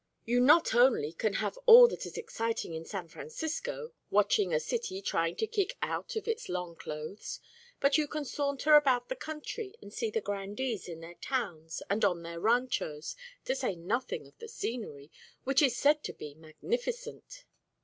You not only can have all that is exciting in San Francisco, watching a city trying to kick out of its long clothes, but you can saunter about the country and see the grandees in their towns and on their ranchos, to say nothing of the scenery, which is said to be magnificent."